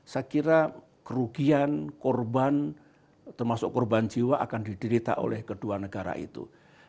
saya kira kerugian korban termasuk korban jiwa akan diderita oleh kedua negara itu